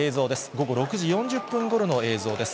午後６時４０分ごろの映像です。